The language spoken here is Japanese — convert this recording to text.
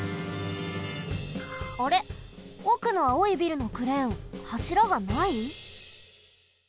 あれおくのあおいビルのクレーンはしらがない？